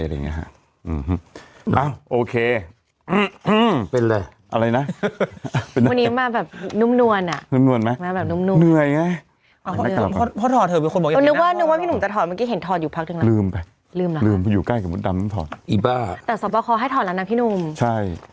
งั้นโอเคมันนวนลงไงแนวไปลืมลืมลืมอยู่ใกล้อีบ้าต่อมาเขาให้ถอดละนะที่นุ่มใช่